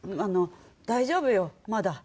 大丈夫よまだ。